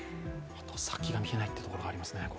先が見えないというところがありますね。